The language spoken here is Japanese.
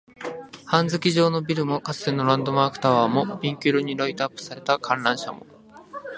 半月状のビルも、かつてのランドマークタワーも、ピンク色にライトアップされた観覧車も